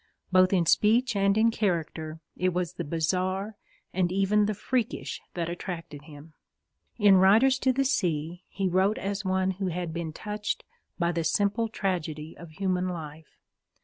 Both in speech and in character, it was the bizarre and even the freakish that attracted him. In Riders to the Sea he wrote as one who had been touched by the simple tragedy of human life.